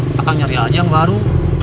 pak kang nyari aja yang baru